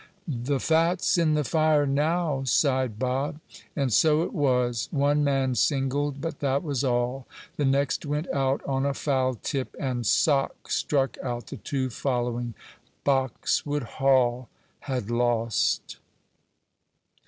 "The fat's in the fire now," sighed Bob. And so it was. One man singled, but that was all. The next went out on a foul tip, and "Sock" struck out the two following. Boxwood Hall had lost.